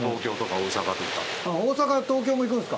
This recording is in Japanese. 大阪東京も行くんですか。